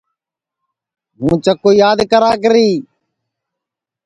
ہُوں چکُو یاد کراکری